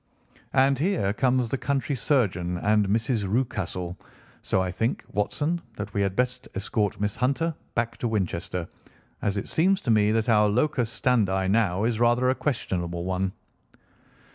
And here comes the country surgeon and Mrs. Rucastle, so I think, Watson, that we had best escort Miss Hunter back to Winchester, as it seems to me that our locus standi now is rather a questionable one."